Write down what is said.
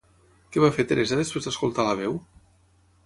Què va fer Teresa després d'escoltar la veu?